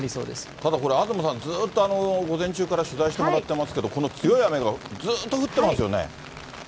ただこれ、東さん、ずっと午前中から取材してもらってますけれども、この強い雨がずっと降ってますよね？